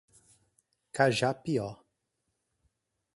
Cajapió